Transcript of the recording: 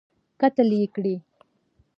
قتل یې کړی.